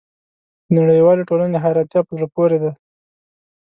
د نړیوالې ټولنې حیرانتیا په زړه پورې ده.